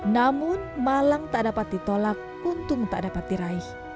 namun malang tak dapat ditolak untung tak dapat diraih